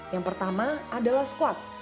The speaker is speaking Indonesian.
yang pertama adalah squat